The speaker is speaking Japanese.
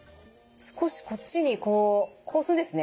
少しこっちにこうこうするんですね。